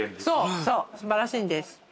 そうそう素晴らしいんです。